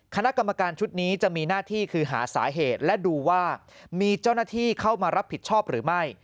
คณะกรรมการชุดนี้จะมีหน้าที่คือหาสาเหตุและดูว่ามีเจ้าหน้าที่เข้ามารับผิดชอบหรือไม่